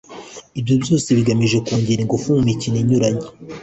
Ibyo byose bigamije kongera ingufu mu mikino inyuranye